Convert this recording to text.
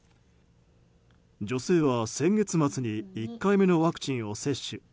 女性は先月末に１回目のワクチンを接種。